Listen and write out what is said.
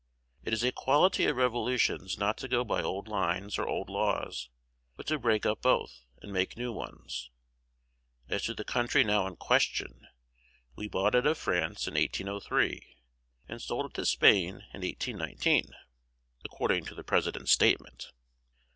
It is a quality of revolutions not to go by old lines or old laws, but to break up both, and make new ones. As to the country now in question, we bought it of France in 1803, and sold it to Spain in 1819, according to the President's statement.